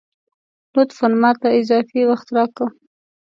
لطفاً ! ماته اضافي وخت راکه